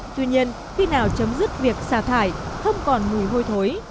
tuy nhiên khi nào chấm dứt việc xả thải không còn mùi hôi thối